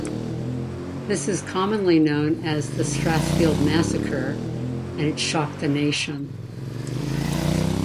This is commonly known as the Strathfield Massacre and it shocked the nation.